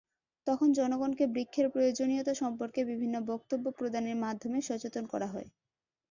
তখন জনগণকে বৃক্ষের প্রয়োজনীয়তা সম্পর্কে বিভিন্ন বক্তব্য প্রদানের মাধ্যমে সচেতন করা হয়।